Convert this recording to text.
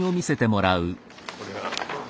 これが。